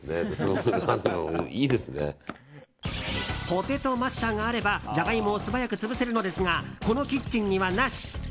ポテトマッシャーがあればジャガイモを素早く潰せるのですがこのキッチンにはなし。